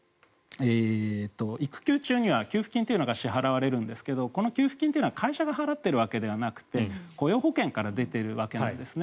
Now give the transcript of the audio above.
育休中には給付金というのが支払われるんですがこの給付金というのは会社が払っているわけではなくて雇用保険から出ているわけなんですね。